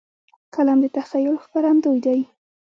قلم د تخیل ښکارندوی دی